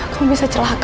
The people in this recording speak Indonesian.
kamu bisa celaka bang